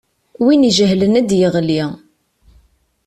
Win ijehlen ad d-yeɣli.